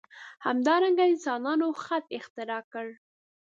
همدارنګه انسانانو خط اختراع کړ.